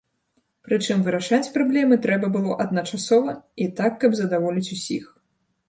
Прычым вырашаць праблемы трэба было адначасова і так, каб задаволіць усіх.